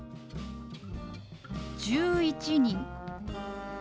「１１人」。